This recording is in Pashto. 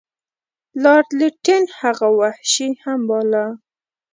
لارډ لیټن هغه وحشي هم باله.